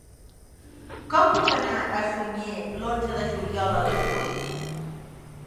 Com puc anar a Sunyer l'onze de juliol a les vuit?